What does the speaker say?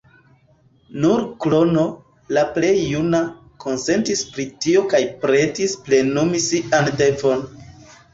Nur Krono, la plej juna, konsentis pri tio kaj pretis plenumi sian devon.